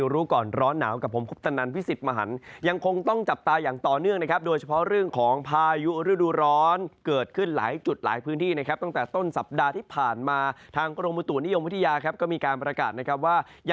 รู้ก่อนร้อนหนาว